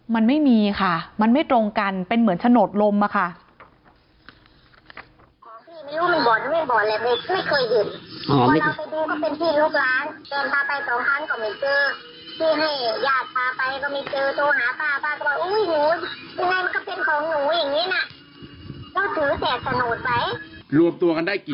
มันไม่มีค่ะมันไม่ตรงกันเป็นเหมือนโฉนดลมอะค่ะ